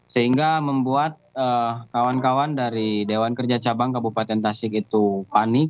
sehingga membuat kawan kawan dari dewan kerja cabang kabupaten tasik itu panik